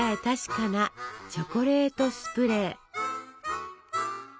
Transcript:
確かなチョコレートスプレー。